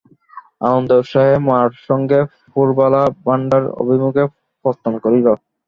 আনন্দে উৎসাহে মার সঙ্গে পুরবালা ভাণ্ডার অভিমুখে প্রস্থান করিল।